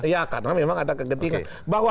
ya karena memang ada kegentingan bahwa